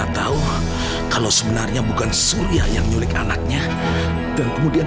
aku kelak bread bukit r bunga iklan tur cham natanuffsisai